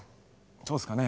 そうですかね。